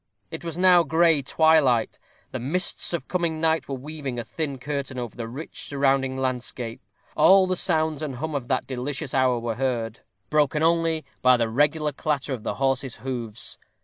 It was now gray twilight. The mists of coming night were weaving a thin curtain over the rich surrounding landscape. All the sounds and hum of that delicious hour were heard, broken only by the regular clatter of the horses' hoofs.